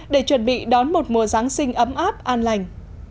để chuẩn bị đón một mùa giáng sinh ấm áp an lành